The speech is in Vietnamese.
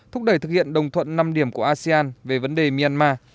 thúc đẩy thực hiện đồng thuận năm điểm của asean về vấn đề myanmar